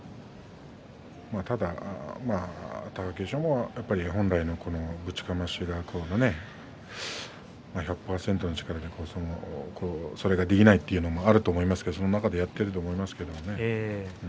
ただ貴景勝も本来のぶちかましは１００％の力でそれができないというのもあると思いますけどその中でやっていると思いますけど。